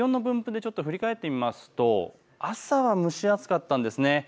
気温の分布で振り返ってみますと朝は蒸し暑かったんです。